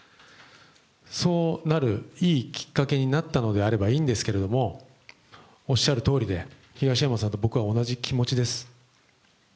そうなる、いいきっかけになったのであればいいんですけども、おっしゃるとおりで、東山さんと僕は同じ気持ちです。